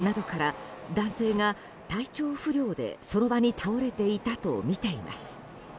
警視庁は目撃情報などから男性が体調不良で、その場に倒れていたとみています。